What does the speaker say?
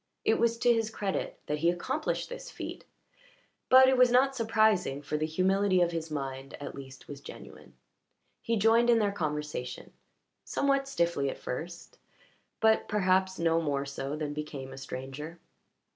It was to his credit that he accomplished this feat, but it was not surprising for the humility of his mind at least was genuine. He joined in their conversation, somewhat stiffly at first, but perhaps no more so than became a stranger.